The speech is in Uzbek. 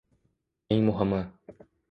Eng muhimi